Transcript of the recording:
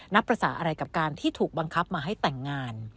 ภาษาอะไรกับการที่ถูกบังคับมาให้แต่งงาน